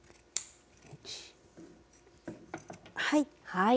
はい。